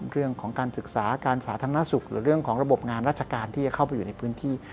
เรื่องของการศึกษาการสาธารณสุขหรือเรื่องของระบบงานราชการที่จะเข้าไปอยู่ในพื้นที่